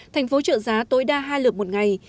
thành phố trợ giá tối đa hai lượt một ngày